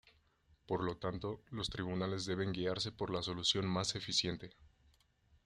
Por lo tanto, los tribunales deben guiarse por la solución más eficiente.